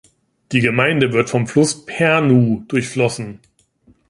Die Gemeinde wird vom Fluss Pärnu durchflossen.